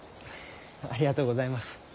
ありがとうございます。